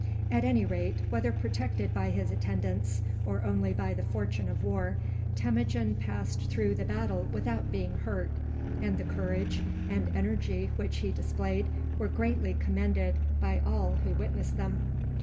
At any rate, whether protected by his attendants or only by the fortune of war, Temujin passed through the battle without being hurt, and the courage and energy which he displayed were greatly commended by all who witnessed them.